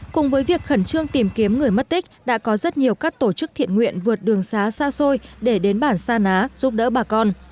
cùng với việc khẩn trương tìm kiếm người mất tích đã có rất nhiều các tổ chức thiện nguyện vượt đường xá xa xôi để đến bản sa ná giúp đỡ bà con